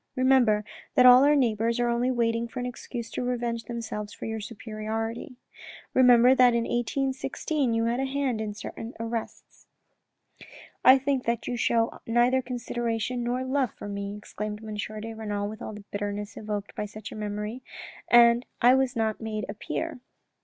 Remember that all our neighbours are only waiting for an excuse to revenge themselves for your superiority. Remember that in 1816 you had a hand in certain arrests. DIALOGUE WITH A MASTER 139 " I think that you show neither consideration nor love for me," exclaimed M. de Renal with all the bitterness evoked by such a memory, " and I was not made a peer."